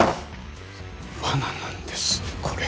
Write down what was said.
罠なんですこれ。